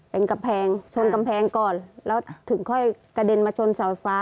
เป็นกำแพงชนกำแพงก่อนแล้วถึงค่อยกระเด็นมาชนเสาไฟฟ้า